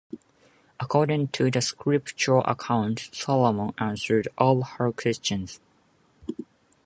According to the scriptural account, Solomon answered all her questions.